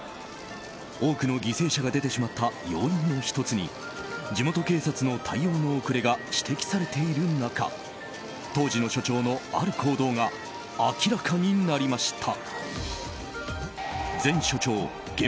多くの犠牲者が出てしまった要因の１つに地元警察の対応の遅れが指摘されている中当時の署長のある行動が明らかになりました。